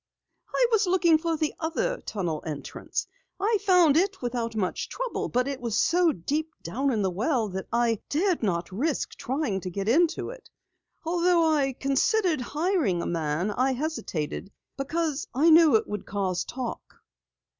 "I was looking for the other tunnel entrance. I found it without much trouble, but it was so deep down in the well that I dared not risk trying to get into it. Although I considered hiring a man, I hesitated, because I knew it would cause talk."